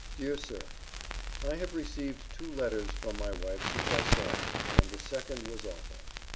Dear Sir, I have received two letters from my wife since I saw you, and the second was awful.